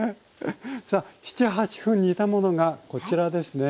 さあ７８分煮たものがこちらですね。